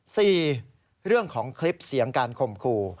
สี่เรื่องของคลิปเสียงการข่มขู่